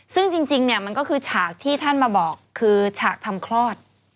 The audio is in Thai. ซึ่งจริงเนี่ยมันก็คือฉากที่ท่านมาบอกคือฉากทำคลอด